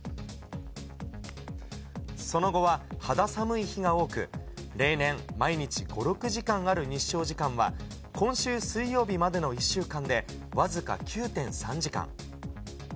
その後は肌寒い日が多く、例年、毎日５、６時間ある日照時間は、今週水曜日までの１週間で、僅か９．３時間。